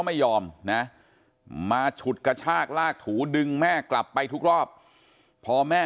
ไม่ยอมนะมาฉุดกระชากลากถูดึงแม่กลับไปทุกรอบพอแม่